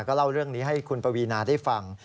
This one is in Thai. ก็เล่าเรื่องนี้ให้คุณปวีนาได้ฟัง